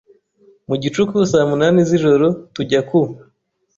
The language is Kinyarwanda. mu gicuku saa munani z’ijoro tujya ku